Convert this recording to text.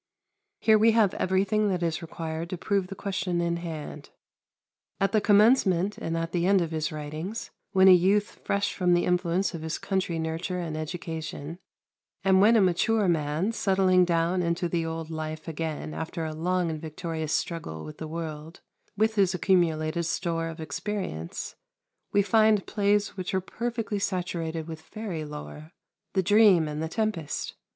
Here we have everything that is required to prove the question in hand. At the commencement and at the end of his writings when a youth fresh from the influence of his country nurture and education, and when a mature man, settling down into the old life again after a long and victorious struggle with the world, with his accumulated store of experience we find plays which are perfectly saturated with fairy lore: "The Dream" and "The Tempest."